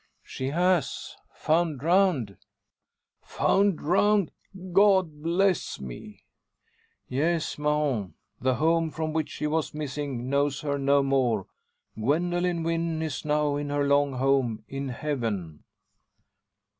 "She has found drowned!" "Found drowned! God bless me!" "Yes, Mahon. The home from which she was missing knows her no more. Gwendoline Wynn is now in her long home in Heaven!"